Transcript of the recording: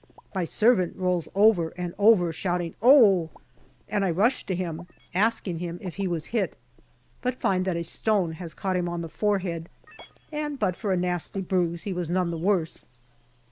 My servant rolls over and over, shouting " Oh !" and I rush to him, asking him if he was hit, but find that a stone had caught him on the forehead, and but for a nasty bruise he was none the worse.